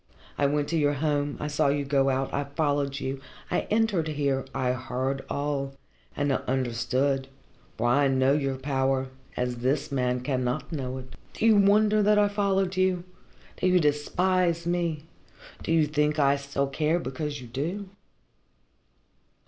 I went to your home, I saw you go out, I followed you, I entered here I heard all and I understood, for I know your power, as this man cannot know it. Do you wonder that I followed you? Do you despise me? Do you think I still care, because you do?